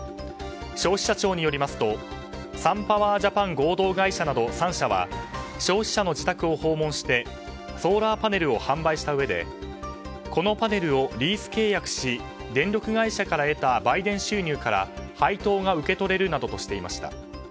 消費者庁によりますとサンパワージャパン合同会社など３社は消費者の自宅を訪問してソーラーパネルを販売したうえでこのパネルをリース契約し電力会社から得た売電収入から配当が受け取れるなどとしていました。